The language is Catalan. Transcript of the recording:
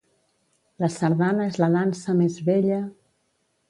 La sardana és la dansa més bella...